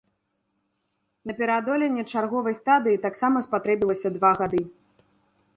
На пераадоленне чарговай стадыі таксама спатрэбілася два гады.